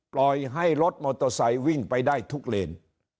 ปล่อยให้รถมอเตอร์ไซค์วิ่งไปได้ทุกเลน